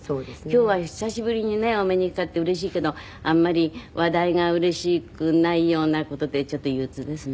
今日は久しぶりにねお目にかかってうれしいけどあんまり話題がうれしくないような事でちょっと憂鬱ですね。